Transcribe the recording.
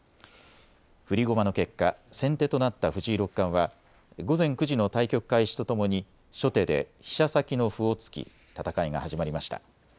振り駒の結果、先手となった藤井六冠は午前９時の対局開始とともに初手で飛車先の歩を突き戦いが始まりました。